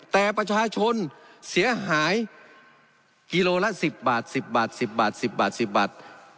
แต่ประชาชนเสียหายกิโลละสิบบาทสิบบาทสิบบาทสิบบาทสิบบาท